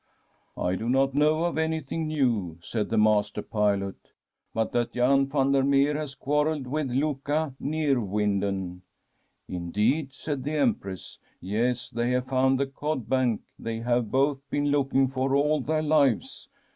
* I do not know of anything new/ said the master pilot, ' but that Ian van der Meer has quarrelled with Luca Neerwinden.' ' Indeed !' said the Em press. ' Yes, they have found the cod bank they have both been looking for all their lives.